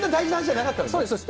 なかったんですね？